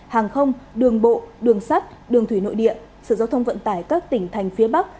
hàng không đường bộ đường sắt đường thủy nội địa sở giao thông vận tải các tỉnh thành phía bắc